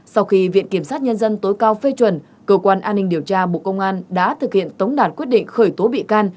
sau khi viện kiểm sát nhân dân tối cao phê chuẩn cơ quan an ninh điều tra bộ công an đã thực hiện tống đạt quyết định khởi tố bị can